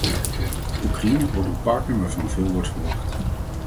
Oekraïne wordt een partner waarvan veel wordt verwacht.